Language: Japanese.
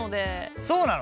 そうなの？